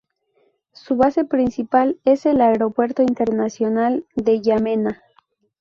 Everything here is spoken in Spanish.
Su base principal es el Aeropuerto Internacional de Yamena.